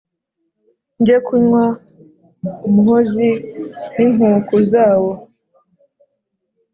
nge kunywa umuhozi n’inkuku zawo!